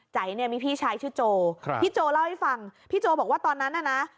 เนี่ยมีพี่ชายชื่อโจครับพี่โจเล่าให้ฟังพี่โจบอกว่าตอนนั้นน่ะนะ